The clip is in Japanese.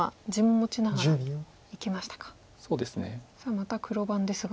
また黒番ですが。